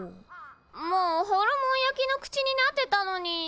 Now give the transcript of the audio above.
もうホルモン焼きの口になってたのに。